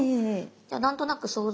じゃあ何となく想像で。